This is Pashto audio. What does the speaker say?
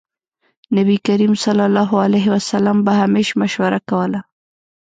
نبي کريم ص به همېش مشوره کوله.